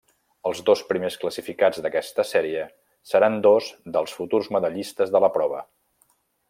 Els dos primers classificats d'aquesta sèrie seran dos dels futurs medallistes de la prova.